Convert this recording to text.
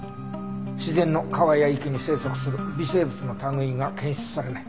自然の川や池に生息する微生物の類いが検出されない。